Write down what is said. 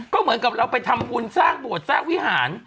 ก็เหมือนกับเราไปทำบุญสร้างบวชสร้างวิหาร